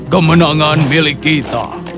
kemenangan milik kita